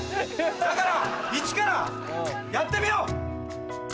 だからイチからやってみよう！